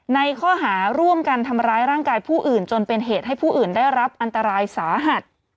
ในข้อหาร่วมกันทำร้ายร่างกายผู้อื่นจนเป็นเหตุให้ผู้อื่นได้รับอันตรายสาหัส